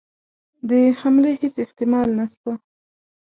د حملې هیڅ احتمال نسته.